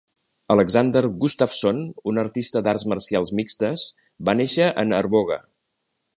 Alexander Gustafsson, un artista d'arts marcials mixtes, va néixer en Arboga.